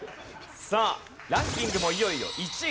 さあランキングもいよいよ１位です。